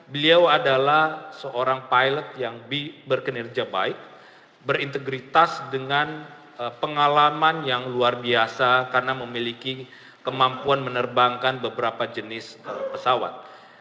beliau adalah seorang pilot yang berkinerja baik berintegritas dengan pengalaman yang luar biasa karena memiliki kemampuan menerbangkan beberapa jenis pesawat